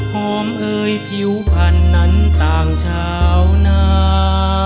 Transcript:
หอมเอ่ยผิวพันธุ์นั้นต่างชาวนา